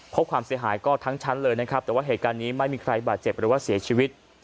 ความเสียหายก็ทั้งชั้นเลยนะครับแต่ว่าเหตุการณ์นี้ไม่มีใครบาดเจ็บหรือว่าเสียชีวิต